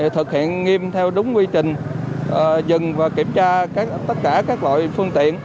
thực hiện nghiêm theo đúng quy trình dừng và kiểm tra tất cả các loại phương tiện